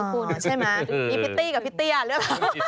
พิตตี้กับพิตตี้อ่ะหรือเปล่า